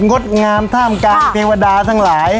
งดงามท่ามกลางเทวดาทั้งหลาย